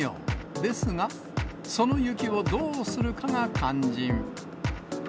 ですが、その雪をどうするかが肝心。